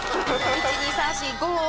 １・２・３・４・５。